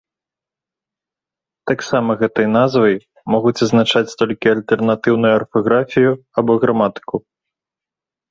Таксама гэтай назвай могуць азначаць толькі альтэрнатыўную арфаграфію або граматыку.